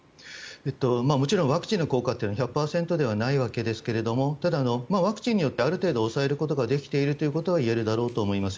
もちろんワクチンの効果は１００％ではないわけですがただ、ワクチンによってある程度抑えることができているということは言えるだろうと思います。